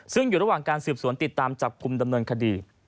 ซึ่งอยู่ระหว่างการสืบสวนติดตามจับกลุ่มดำเนินคดี